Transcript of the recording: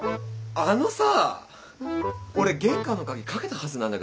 あのさ俺玄関の鍵掛けたはずなんだけど。